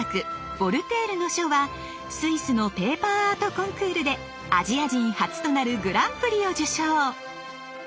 「ヴォルテールの書」はスイスのペーパーアートコンクールでアジア人初となるグランプリを受賞。